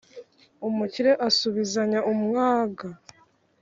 umukire asubizanya umwaga